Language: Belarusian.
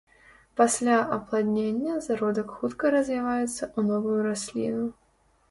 Пасля апладнення зародак хутка развіваецца ў новую расліну.